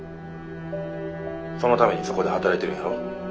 そのためにそこで働いてるんやろ？